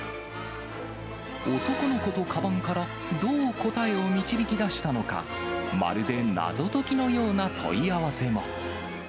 男の子とカバンからどう答えを導き出したのか、まるで謎解きのような問い合わせも。